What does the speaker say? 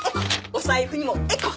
お財布にもエコ。